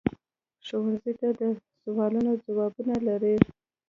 ښوونځی د سوالونو ځوابونه لري